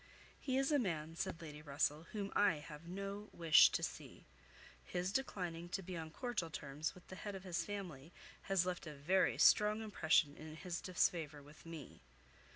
"He is a man," said Lady Russell, "whom I have no wish to see. His declining to be on cordial terms with the head of his family, has left a very strong impression in his disfavour with me."